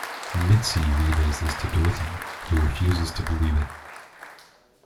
Mitzi relays this to Dorothy, who refuses to believe it.